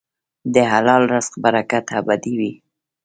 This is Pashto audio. د حلال رزق برکت ابدي وي.